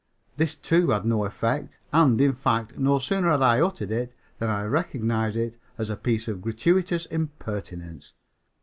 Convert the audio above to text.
This, too, had no effect, and, in fact, no sooner had I uttered it than I recognized it as a piece of gratuitous impertinence.